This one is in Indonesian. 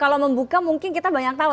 kalau membuka mungkin kita banyak tahu